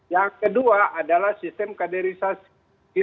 yang kedua adalah sistem kaderisasi